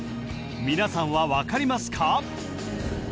皆さんは分かりますか？